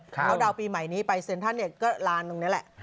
เขาดาวน์ปีใหม่นี้ไปเซ็นทรัลเนี่ยก็ลานตรงนี้แหละ